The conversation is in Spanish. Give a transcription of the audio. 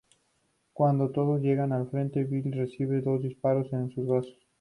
Cuando todos llegan al frente, Billy recibe dos disparos en sus brazos.